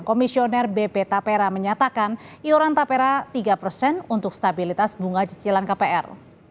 komisioner bp tapera menyatakan iuran tapera tiga persen untuk stabilitas bunga cicilan kpr